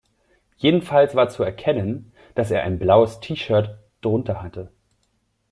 Jedenfalls war zu erkennen, dass er ein blaues T-Shirt drunter hatte.